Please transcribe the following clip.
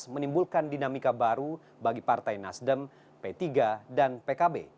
menimbulkan dinamika baru bagi partai nasdem p tiga dan pkb